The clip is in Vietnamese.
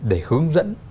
để hướng dẫn